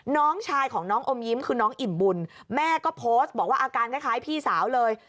น้องชายของน้องอมยิ้มคือน้องอิ่มบุญแม่ก็โพสต์บอกว่าอาการคล้ายพี่สาวเลย